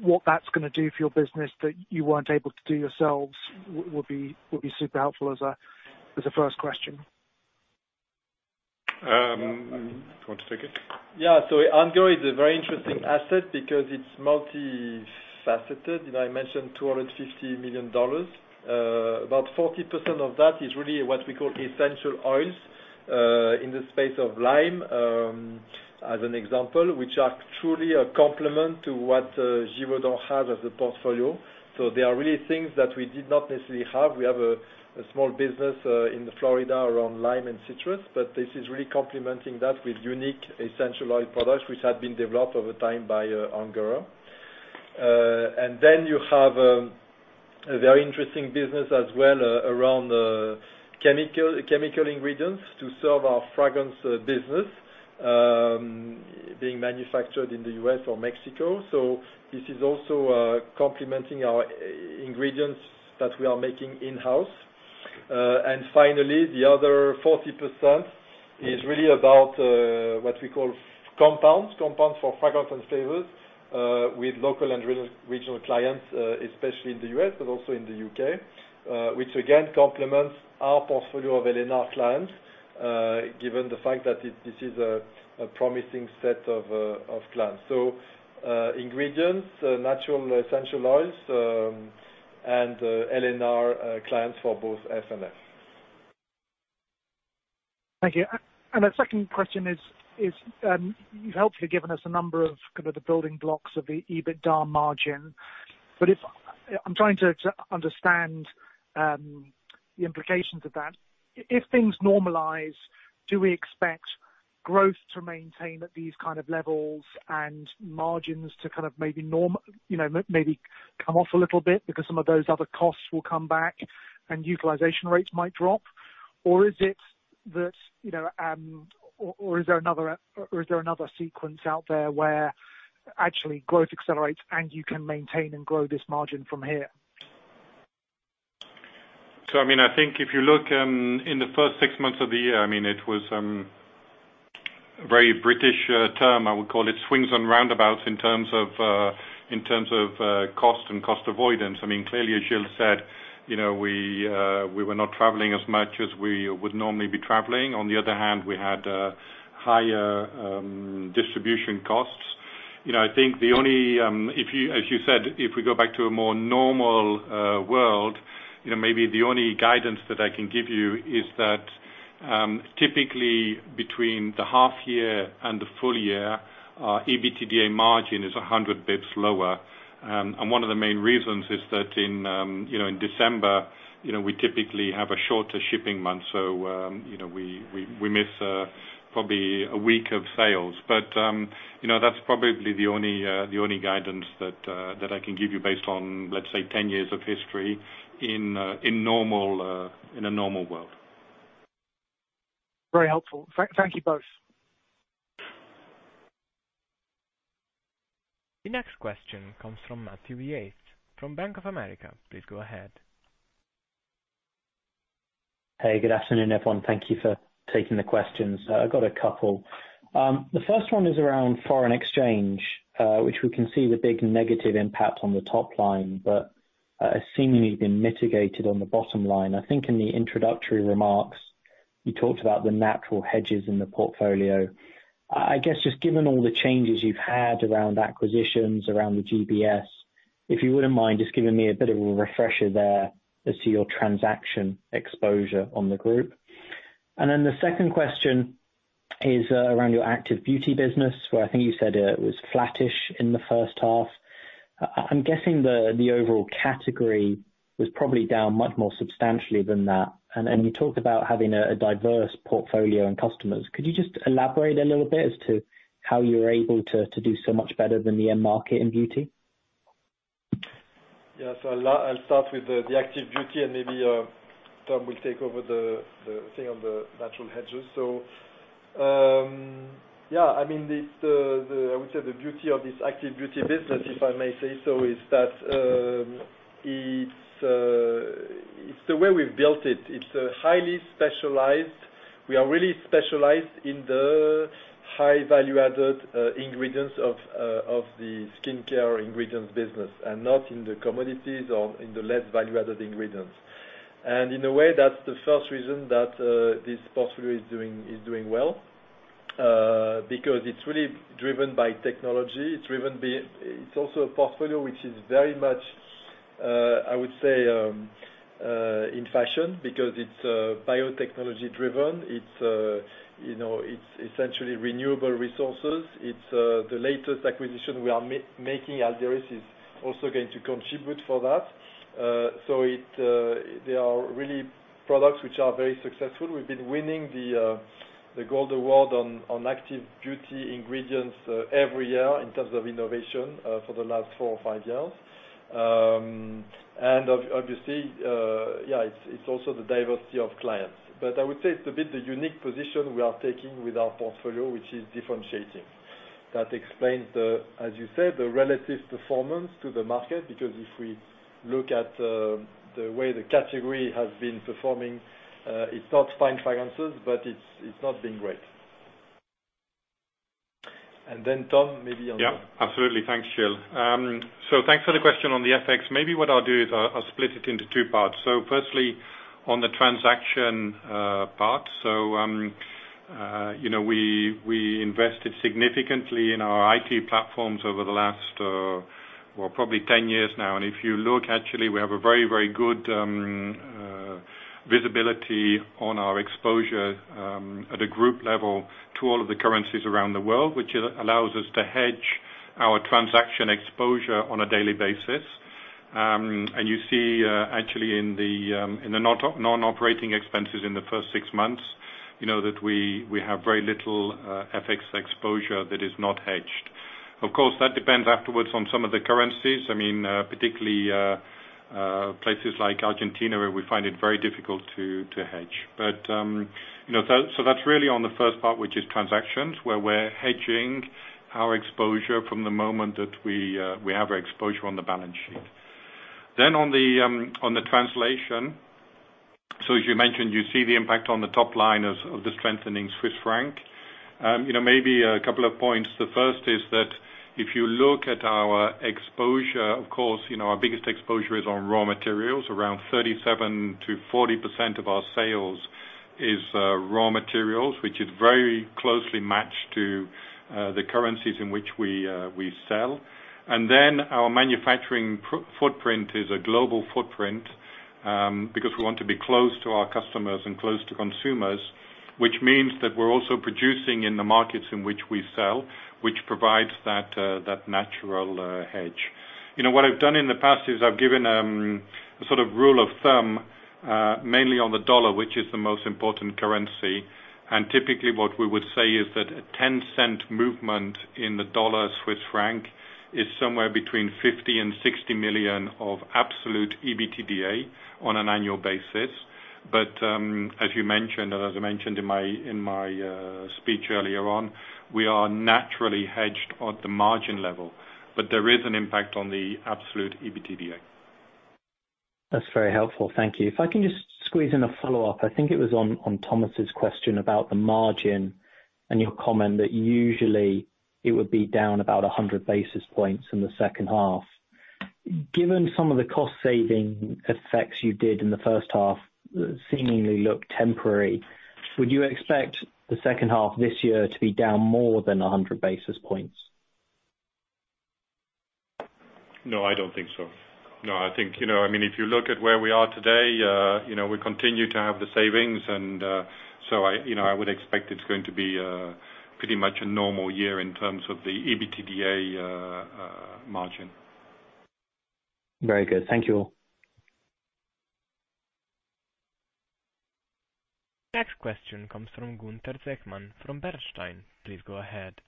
what that's going to do for your business that you weren't able to do yourselves, would be super helpful as a first question. Do you want to take it? Yeah. Ungerer is a very interesting asset because it's multifaceted. I mentioned $250 million. About 40% of that is really what we call essential oils, in the space of lime, as an example, which are truly a complement to what Givaudan has as a portfolio. They are really things that we did not necessarily have. We have a small business in Florida around lime and citrus, but this is really complementing that with unique essential oil products which have been developed over time by Ungerer. You have a very interesting business as well around chemical ingredients to serve our fragrance business, being manufactured in the U.S. or Mexico. This is also complementing our ingredients that we are making in-house. Finally, the other 40% is really about what we call compounds. Compounds for fragrance and flavors, with local and regional clients, especially in the U.S., also in the U.K. Which again, complements our portfolio of L&R clients, given the fact that this is a promising set of clients. Ingredients, natural essential oils, and L&R clients for both F&F. Thank you. The second question is, you've helpfully given us a number of kind of the building blocks of the EBITDA margin. I'm trying to understand the implications of that. If things normalize, do we expect growth to maintain at these kind of levels and margins to kind of maybe come off a little bit because some of those other costs will come back and utilization rates might drop? Is there another sequence out there where actually growth accelerates and you can maintain and grow this margin from here? I think if you look in the first six months of the year, it was a very British term, I would call it swings and roundabouts in terms of cost and cost avoidance. Clearly, as Gilles said, we were not traveling as much as we would normally be traveling. On the other hand, we had higher distribution costs. As you said, if we go back to a more normal world, maybe the only guidance that I can give you is that typically between the half year and the full year, our EBITDA margin is 100 basis points lower. One of the main reasons is that in December, we typically have a shorter shipping month, so we miss probably a week of sales. That's probably the only guidance that I can give you based on, let's say, 10 years of history in a normal world. Very helpful. Thank you both. The next question comes from Matthew Yates from Bank of America. Please go ahead. Hey, good afternoon, everyone. Thank you for taking the questions. I've got a couple. The first one is around foreign exchange, which we can see the big negative impact on the top line, but has seemingly been mitigated on the bottom line. I think in the introductory remarks, you talked about the natural hedges in the portfolio. I guess, just given all the changes you've had around acquisitions, around the GBS, if you wouldn't mind just giving me a bit of a refresher there as to your transaction exposure on the group. The second question is around your Active Beauty business, where I think you said it was flattish in the first half. I'm guessing the overall category was probably down much more substantially than that. You talked about having a diverse portfolio and customers. Could you just elaborate a little bit as to how you're able to do so much better than the end market in beauty? Yeah. I'll start with the Active Beauty, and maybe Tom will take over the thing on the natural hedges. Yeah, I would say the beauty of this Active Beauty business, if I may say so, it's the way we've built it. We are really specialized in the high value-added ingredients of the skincare ingredients business, and not in the commodities or in the less value-added ingredients. In a way, that's the first reason that this portfolio is doing well, because it's really driven by technology. It's also a portfolio which is very much, I would say, in fashion, because it's biotechnology driven. It's essentially renewable resources. The latest acquisition we are making, Alderys, is also going to contribute for that. They are really products which are very successful. We've been winning the Gold Award on Active Beauty ingredients every year in terms of innovation for the last four or five years. Obviously, yeah, it's also the diversity of clients. I would say it's a bit the unique position we are taking with our portfolio, which is differentiating. That explains the, as you said, the relative performance to the market, because if we look at the way the category has been performing, it's not Fine Fragrances, but it's not been great. Tom, maybe on that. Yeah. Absolutely. Thanks, Gilles. Thanks for the question on the FX. Maybe what I'll do is I'll split it into two parts. Firstly, on the transaction part. We invested significantly in our IT platforms over the last, well, probably 10 years now. If you look, actually, we have a very good visibility on our exposure at a group level to all of the currencies around the world, which allows us to hedge our transaction exposure on a daily basis. You see, actually in the non-operating expenses in the first six months, that we have very little FX exposure that is not hedged. Of course, that depends afterwards on some of the currencies. Particularly places like Argentina, where we find it very difficult to hedge. That's really on the first part, which is transactions, where we're hedging our exposure from the moment that we have our exposure on the balance sheet. On the translation, so as you mentioned, you see the impact on the top line of the strengthening Swiss franc. Maybe a couple of points. The first is that if you look at our exposure, of course, our biggest exposure is on raw materials. Around 37% to 40% of our sales is raw materials, which is very closely matched to the currencies in which we sell. Our manufacturing footprint is a global footprint, because we want to be close to our customers and close to consumers, which means that we're also producing in the markets in which we sell, which provides that natural hedge. What I have done in the past is I have given a sort of rule of thumb, mainly on the dollar, which is the most important currency. Typically what we would say is that a $0.10 movement in the dollar-Swiss franc is somewhere between $50 million and $60 million of absolute EBITDA on an annual basis. As you mentioned, and as I mentioned in my speech earlier on, we are naturally hedged at the margin level. There is an impact on the absolute EBITDA. That's very helpful. Thank you. If I can just squeeze in a follow-up. I think it was on Tom's question about the margin and your comment that usually it would be down about 100 basis points in the second half. Given some of the cost-saving effects you did in the first half seemingly look temporary, would you expect the second half this year to be down more than 100 basis points? No, I don't think so. If you look at where we are today, we continue to have the savings, and so I would expect it's going to be pretty much a normal year in terms of the EBITDA margin. Very good. Thank you all. Next question comes from Gunther Zechmann from Bernstein. Please go ahead.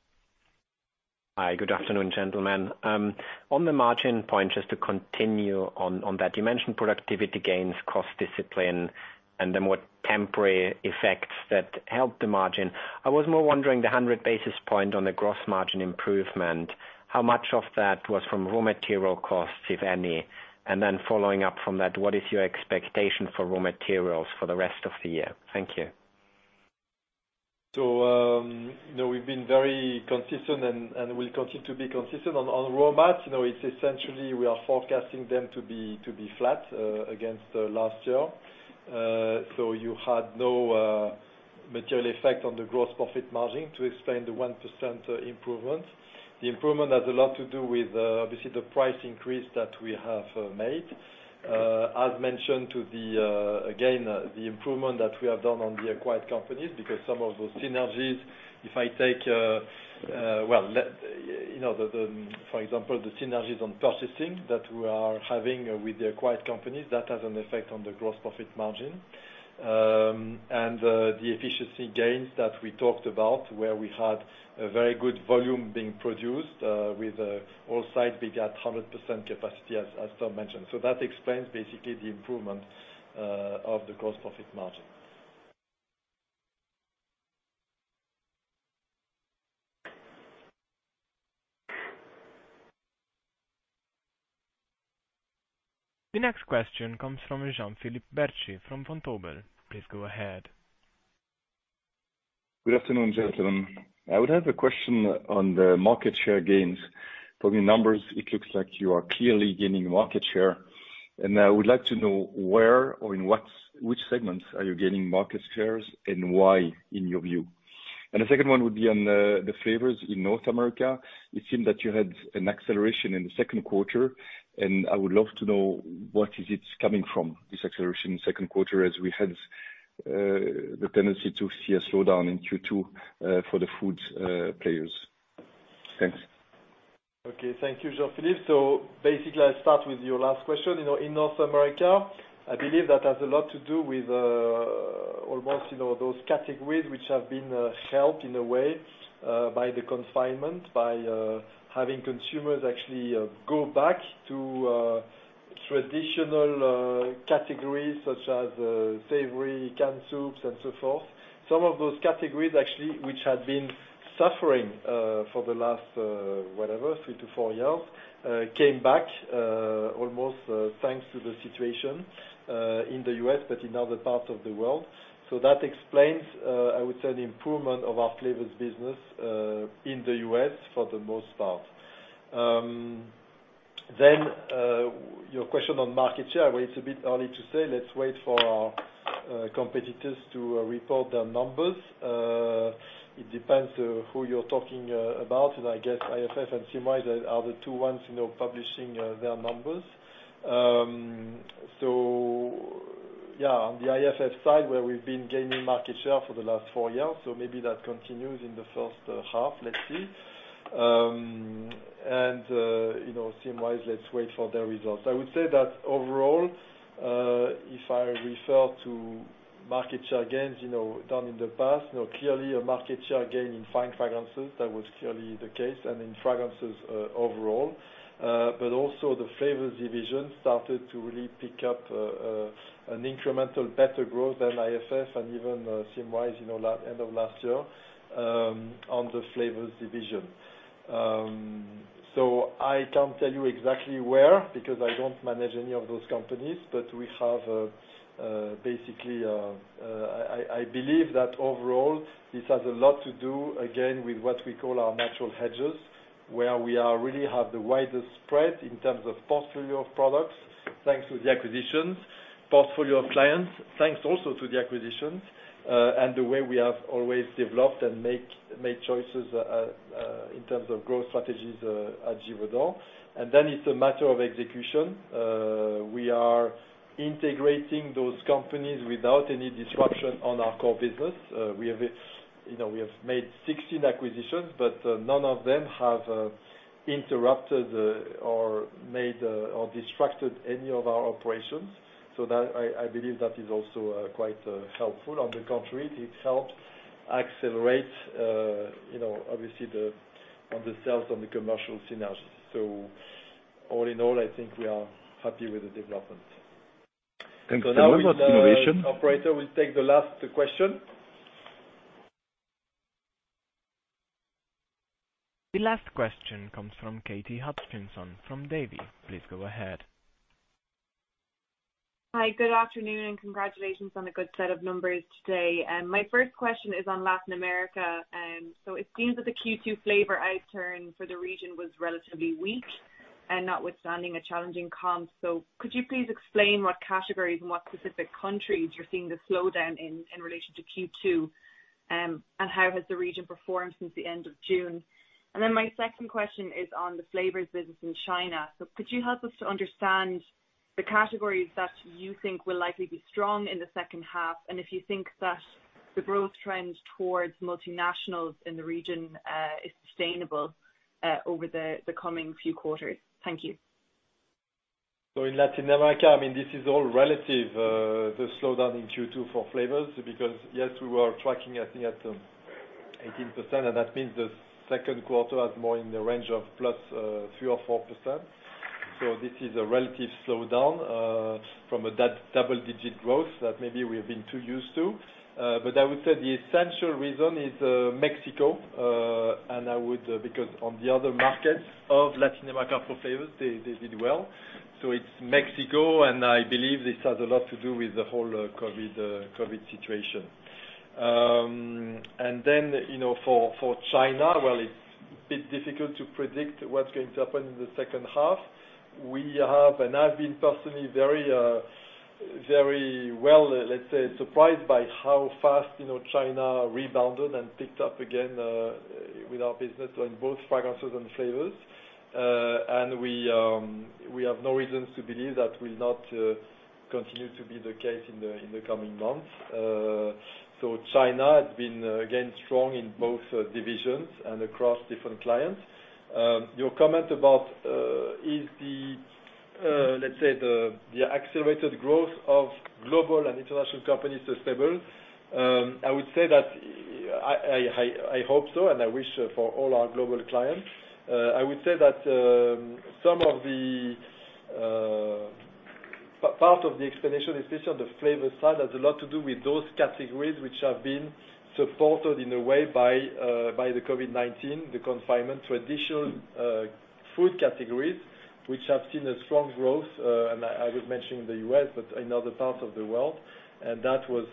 Hi. Good afternoon, gentlemen. On the margin point, just to continue on that, you mentioned productivity gains, cost discipline, and the more temporary effects that help the margin. I was more wondering the 100 basis points on the gross margin improvement, how much of that was from raw material costs, if any? Following up from that, what is your expectation for raw materials for the rest of the year? Thank you. We've been very consistent and will continue to be consistent on raw mats. It's essentially we are forecasting them to be flat against last year. You had no material effect on the gross profit margin to explain the 1% improvement. The improvement has a lot to do with, obviously, the price increase that we have made. As mentioned to the, again, the improvement that we have done on the acquired companies, because some of those synergies, if I take for example, the synergies on purchasing that we are having with the acquired companies, that has an effect on the gross profit margin. The efficiency gains that we talked about, where we had a very good volume being produced, with all sites being at 100% capacity, as Tom mentioned. That explains basically the improvement of the gross profit margin. The next question comes from Jean-Philippe Bertschy from Vontobel. Please go ahead. Good afternoon, gentlemen. I would have a question on the market share gains. From the numbers, it looks like you are clearly gaining market share. I would like to know where or in which segments are you gaining market shares and why, in your view? The second one would be on the flavors in North America. It seemed that you had an acceleration in the second quarter, and I would love to know what is it coming from, this acceleration in second quarter, as we had the tendency to see a slowdown in Q2 for the foods players. Thanks. Okay. Thank you, Jean-Philippe. Basically, I'll start with your last question. In North America, I believe that has a lot to do with almost those categories which have been helped in a way by the confinement, by having consumers actually go back to traditional categories such as savory canned soups and so forth. Some of those categories actually, which had been suffering for the last, whatever, 3 to 4 years, came back almost thanks to the situation in the U.S., but in other parts of the world. That explains, I would say, the improvement of our flavors business in the U.S. for the most part. Your question on market share, well, it's a bit early to say. Let's wait for our competitors to report their numbers. It depends who you're talking about. I guess IFF and Symrise are the two ones publishing their numbers. Yeah, on the IFF side where we've been gaining market share for the last four years, so maybe that continues in the first half. Let's see. Symrise, let's wait for their results. I would say that overall, if I refer to market share gains done in the past, clearly a market share gain in fine fragrances, that was clearly the case, and in fragrances overall. Also the Flavour Division started to really pick up an incremental better growth than IFF and even Symrise end of last year on the Flavour Division. I can't tell you exactly where, because I don't manage any of those companies. We have basically I believe that overall this has a lot to do again with what we call our natural hedges, where we really have the widest spread in terms of portfolio of products, thanks to the acquisitions. Portfolio of clients, thanks also to the acquisitions, and the way we have always developed and made choices in terms of growth strategies at Givaudan. It's a matter of execution. We are integrating those companies without any disruption on our core business. We have made 16 acquisitions, none of them have interrupted or made or distracted any of our operations. I believe that is also quite helpful. On the contrary, it helped accelerate, obviously, on the sales, on the commercial synergies. All in all, I think we are happy with the development. Thank you very much, Olivier. Now, Operator, we'll take the last question. The last question comes from Katy Hutchinson from Davy. Please go ahead. Hi. Good afternoon, and congratulations on a good set of numbers today. My first question is on Latin America. It seems that the Q2 flavor outturn for the region was relatively weak and notwithstanding a challenging comp. Could you please explain what categories and what specific countries you're seeing the slowdown in relation to Q2, and how has the region performed since the end of June? My second question is on the flavors business in China. Could you help us to understand the categories that you think will likely be strong in the second half, and if you think that the growth trend towards multinationals in the region is sustainable over the coming few quarters? Thank you. In Latin America, this is all relative, the slowdown in Q2 for flavors, because yes, we were tracking, I think, at 18%, and that means the second quarter was more in the range of +3% or 4%. This is a relative slowdown from that double-digit growth that maybe we have been too used to. I would say the essential reason is Mexico, because on the other markets of Latin America for flavors, they did well. It's Mexico, and I believe this has a lot to do with the whole COVID situation. For China, well, it's a bit difficult to predict what's going to happen in the second half. We have, and I've been personally very well, let's say, surprised by how fast China rebounded and picked up again with our business on both fragrances and flavors. We have no reasons to believe that will not continue to be the case in the coming months. China has been, again, strong in both divisions and across different clients. Your comment about is the, let's say, the accelerated growth of global and international companies sustainable. I would say that I hope so, and I wish for all our global clients. I would say that part of the explanation, especially on the flavor side, has a lot to do with those categories which have been supported in a way by the COVID-19, the confinement, traditional food categories, which have seen a strong growth, and I was mentioning the U.S., but in other parts of the world, and that was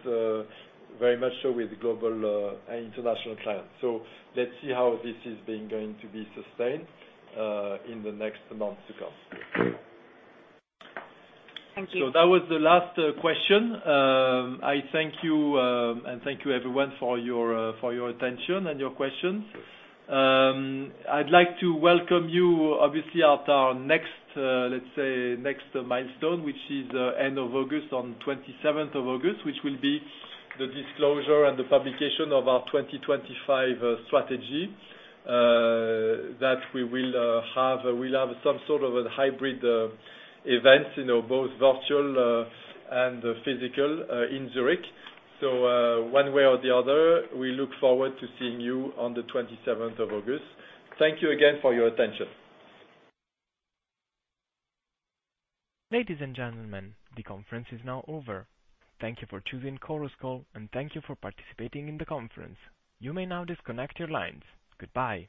very much so with global and international clients. Let's see how this is going to be sustained in the next months to come. Thank you. That was the last question. I thank you, and thank you everyone for your attention and your questions. I'd like to welcome you obviously at our next, let's say, next milestone, which is end of August, on 27th of August, which will be the disclosure and the publication of our 2025 Strategy, that we'll have some sort of a hybrid event, both virtual and physical in Zurich. One way or the other, we look forward to seeing you on the 27th of August. Thank you again for your attention. Ladies and gentlemen, the conference is now over. Thank you for choosing Chorus Call, and thank you for participating in the conference. You may now disconnect your lines. Goodbye.